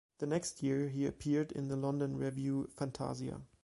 The next year he appeared in the London revue "Fantasia".